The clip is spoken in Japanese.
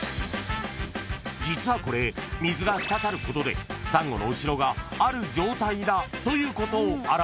［実はこれ水が滴ることで珊瑚のお城がある状態だということを表しているんです］